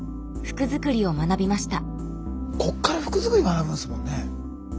こっから服作り学ぶんですもんね。